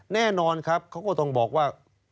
แน่นอนครับเขาก็ต้องบอกว่า